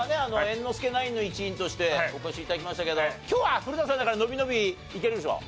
猿之助ナインの一員としてお越し頂きましたけど今日は古田さんだから伸び伸びいけるでしょ？